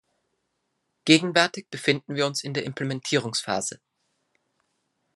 Gegenwärtig befinden wir uns in der Implementierungsphase.